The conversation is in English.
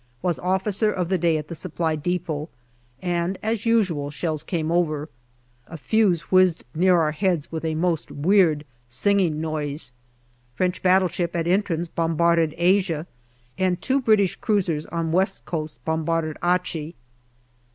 Was officer of the day at the Supply depot, and, as usual, shells came over. A fuse whizzed near our heads with a most weird singing noise. French battleship at entrance bombarded Asia, and two British cruisers on West Coast bombarded Achi.